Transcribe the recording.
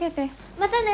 またね。